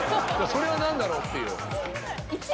それは何だろうっていう。